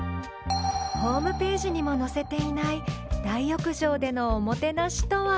ホームページにも載せていない大浴場でのおもてなしとは？